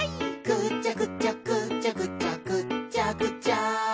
「ぐちゃぐちゃぐちゃぐちゃぐっちゃぐちゃ」